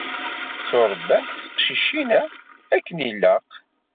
Tturebbant teqcicin-a akken ilaq.